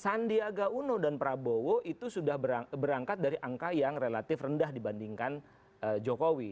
sandiaga uno dan prabowo itu sudah berangkat dari angka yang relatif rendah dibandingkan jokowi